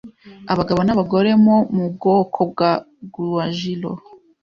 Abagabo n'abagore mo mu bwoko bwa Guajiro